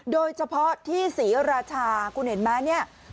โดยเฉพาะที่ศรีราชาคุณเห็นไหมเนี่ย